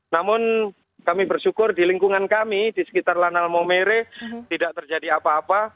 namun kami bersyukur di lingkungan kami di sekitar lanal momere tidak terjadi apa apa